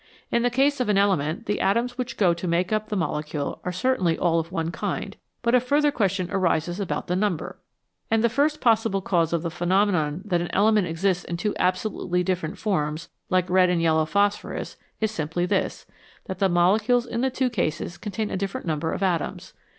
In the case of an element the atoms which go to make up the molecule are certainly all of one kind, but a further question arises about the number. And the first possible cause of the phenomenon that an element exists in two absolutely different forms, like red and yellow phosphorus, is simply this, that the molecules in the two cases contain 52 ELEMENTS WITH DOUBLE IDENTITY a different number of atoms.